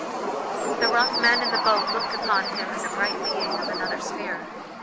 The rough men in the boat looked upon him as a bright being of another sphere.